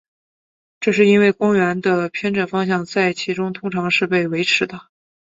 这是因为光源的偏振方向在其中通常是被维持的。